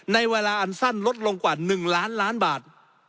ในเวลาอันสั้นลดลงกว่า๑ล้านล้านบาท